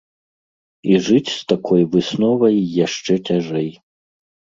І жыць з такой высновай яшчэ цяжэй.